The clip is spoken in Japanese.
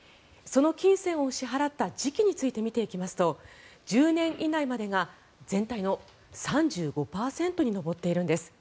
その金銭を支払った時期について見ていきますと１０年以内までが全体の３５％に上っているんです。